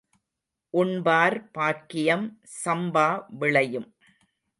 உண்பார் பாக்கியம், சம்பா விளையும்.